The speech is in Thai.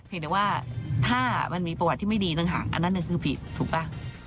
แต่ว่าถ้ามันมีประวัติที่ไม่ดีต่างหากอันนั้นคือผิดถูกป่ะ